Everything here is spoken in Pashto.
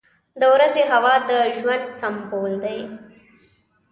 • د ورځې هوا د ژوند سمبول دی.